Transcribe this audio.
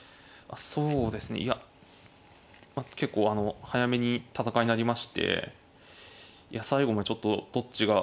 そうですねいや結構早めに戦いになりまして最後もちょっとどっちが。